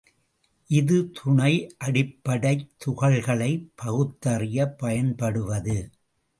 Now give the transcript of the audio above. இது துணை அடிப்படைத் துகள்களை பகுத்தறியப் பயன்படுவது.